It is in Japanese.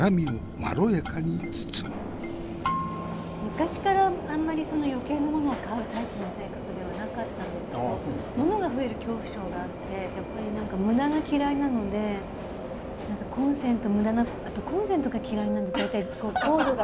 昔からあんまり余計な物を買うタイプの性格ではなかったんですけど物が増える恐怖症があってやっぱり何か無駄が嫌いなので何かコンセント無駄なあとコンセントが嫌いなんで大体こうコードが。